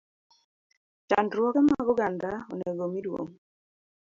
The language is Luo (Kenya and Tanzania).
Chandruoge mag oganda onego omi duong`.